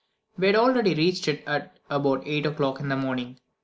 We had already reached it at about 8 o'clock in the morning.